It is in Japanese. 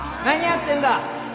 何やってんだ？